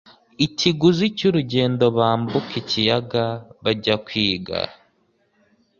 ikiguzi cy'urugendo bambuka ikiyaga bajya kwiga.